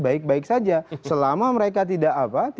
baik baik saja selama mereka tidak apa